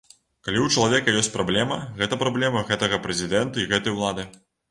Калі ў чалавека ёсць праблема, гэта праблема гэтага прэзідэнта і гэтай улады.